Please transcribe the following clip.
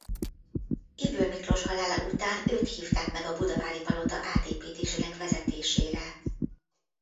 Ybl Miklós halála után őt hívták meg a Budavári Palota átépítésének vezetésére.